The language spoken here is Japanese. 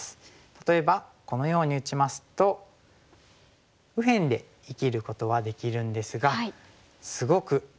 例えばこのように打ちますと右辺で生きることはできるんですがすごく黒の強大な厚みができましたね。